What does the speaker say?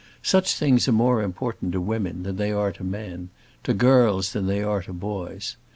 Such things are more important to women than they are to men, to girls than they are to boys.